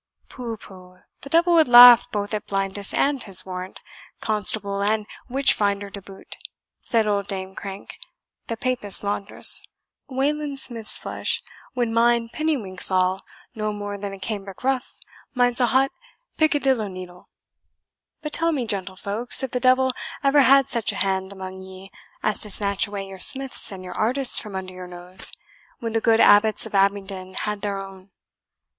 "Pooh pooh the devil would laugh both at Blindas and his warrant, constable and witch finder to boot," said old Dame Crank, the Papist laundress; "Wayland Smith's flesh would mind Pinniewinks' awl no more than a cambric ruff minds a hot piccadilloe needle. But tell me, gentlefolks, if the devil ever had such a hand among ye, as to snatch away your smiths and your artists from under your nose, when the good Abbots of Abingdon had their own?